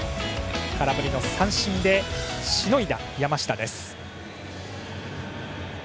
空振りの三振でしのいだ山下です。